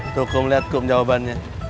tukum liat kum jawabannya